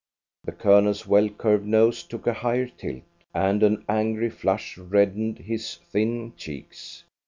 The Colonel's well curved nose took a higher tilt, and an angry flush reddened his thin cheeks.